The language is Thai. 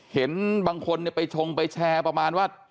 เห็นบางคนไปชงไปแชร์ประมาณว่า